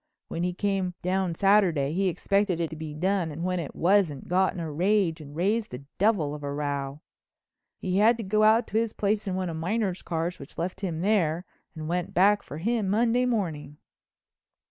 When he came down Saturday he expected it to be done and when it wasn't, got in a rage and raised the devil of a row. He had to go out to his place in one of Miner's cars which left him there and went back for him Monday morning."